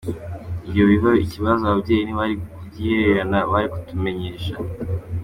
Iyo biba ikibazo ababyeyi ntibari kubyihererana bari kubitumenyesha.